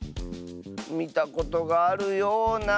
みたことがあるような。